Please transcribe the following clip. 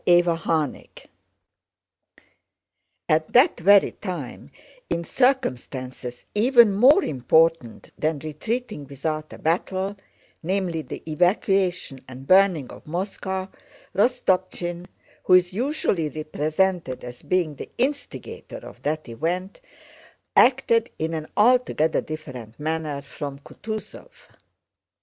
CHAPTER V At that very time, in circumstances even more important than retreating without a battle, namely the evacuation and burning of Moscow, Rostopchín, who is usually represented as being the instigator of that event, acted in an altogether different manner from Kutúzov.